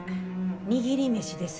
握り飯です。